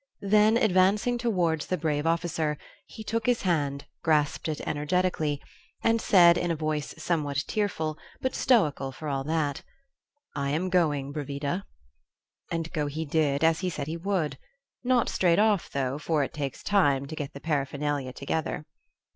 Then, advancing towards the brave officer, he took his hand, grasped it energetically, and said in a voice somewhat tearful, but stoical for all that: "I am going, Bravida." And go he did, as he said he would. Not straight off though, for it takes time to get the paraphernalia together.